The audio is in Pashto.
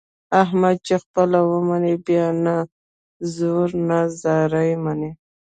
احمد چې خپله ومني بیا نه زور نه زارۍ مني.